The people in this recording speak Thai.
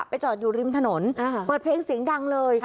จอดอยู่ริมถนนเปิดเพลงเสียงดังเลย